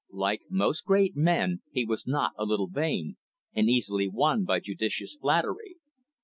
Like most great men, he was not a little vain, and easily won by judicious flattery.